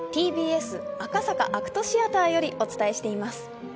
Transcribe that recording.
ＴＢＳ赤坂ＡＣＴシアターよりお伝えしています。